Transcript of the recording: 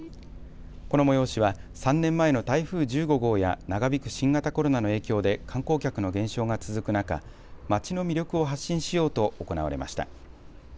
この催しは３年前の台風１５号や長引く新型コロナの影響で観光客の減少が続く中、町の魅力を発信しようと行われました。